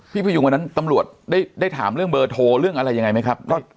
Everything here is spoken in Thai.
พยุงวันนั้นตำรวจได้ถามเรื่องเบอร์โทรเรื่องอะไรยังไงไหมครับ